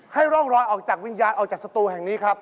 ให้ร่องรอยออกจากวิญญาณออกจากสตูแห่งนี้ครับ